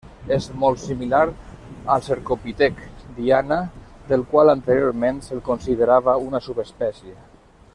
És molt similar al cercopitec diana, del qual anteriorment se'l considerava una subespècie.